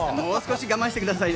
我慢してください。